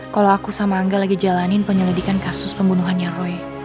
kalau aku sama angga lagi jalanin penyelidikan kasus pembunuhannya roy